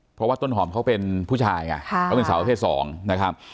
เพราะว่าต้นหอมเขาเป็นผู้ชายไงเขาเป็นสาวประเภทสองนะครับ